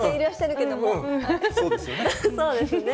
そうですね。